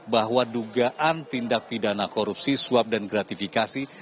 bahwa dugaan tindak pidana korupsi swab dan gratifikasi